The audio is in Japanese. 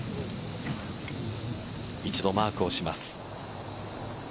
一度マークをします。